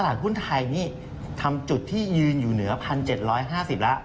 หุ้นไทยนี่ทำจุดที่ยืนอยู่เหนือ๑๗๕๐แล้ว